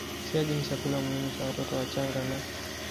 Siagi ni chakula muhimu cha watoto wachanga na